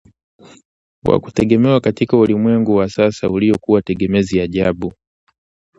wa kutegemewa katika ulimwengu wa sasa uliokuwa telezi ajabu